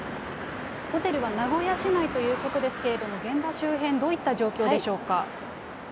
ホテルは名古屋市内ということですけれども、現場周辺、どういった状況でしょうか。